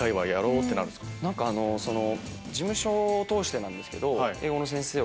事務所を通してなんですけど。